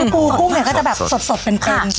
กรูกุ้งเนี่ยก็จะแบบสดเป็นเพลง